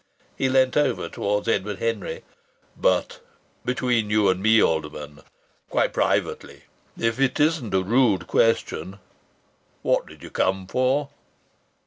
He leant over towards Edward Henry. "But between you and me, Alderman, quite privately, if it isn't a rude question, what did you come for?"